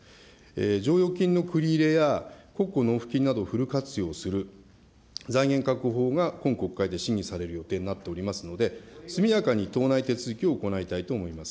剰余金の繰り入れや国庫納付金などをフル活用する、財源確保法が今国会で審議される予定になっておりますので、速やかに党内手続きを行いたいと思います。